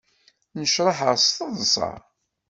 Nnecraḥeɣ s teḍṣa.